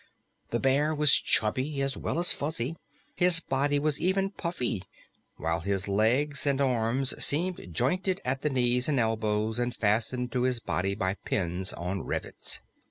The bear was chubby as well as fuzzy; his body was even puffy, while his legs and arms seemed jointed at the knees and elbows and fastened to his body by pins or rivets.